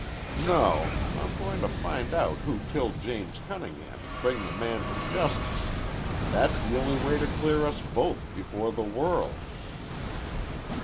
"No. I'm goin' to find out who killed James Cunningham an' bring the man to justice. That's the only way to clear us both before the world."